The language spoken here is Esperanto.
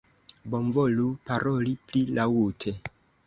Bonvolu paroli pli laŭte!